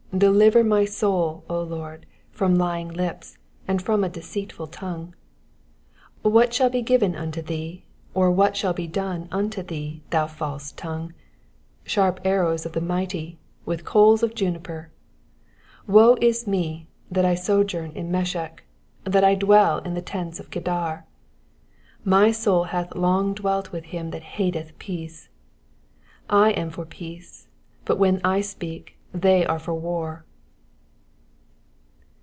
2 Deliver my soul, O Lord, from lying lips, and from a deceitful tongue. 3 What shall be given unto thee ? or what shall be done unto thee, thou false tongue ? 4 Sharp arrows of the mighty, with coals of juniper. 5 Woe is me, that I sojourn in Mesech, that I dwell in the tents of Kedar ! 6 My soul hath long dwelt with him that hateth peace. 7 I am for peace : but when I speak, they are for war.